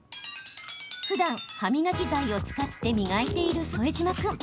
ふだん、歯磨き剤を使って磨いている副島君。